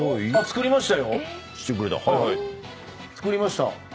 作りました。